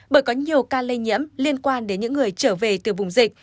bởi có nhiều ca lây nhiễm liên quan đến những người trở về từ vùng dịch